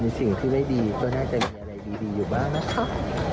สิ่งที่ไม่ดีก็น่าจะมีอะไรดีอยู่บ้างนะคะ